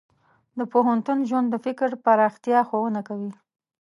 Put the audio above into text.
د پوهنتون ژوند د فکر پراختیا ښوونه کوي.